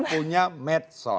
saya tidak punya medsos